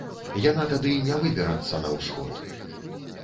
Яна тады не выберацца на ўсход.